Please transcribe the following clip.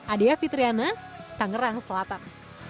adia fitriana tangerang selatan